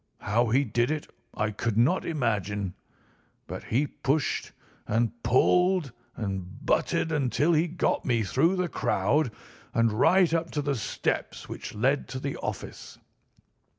How he did it I could not imagine, but he pushed and pulled and butted until he got me through the crowd, and right up to the steps which led to the office.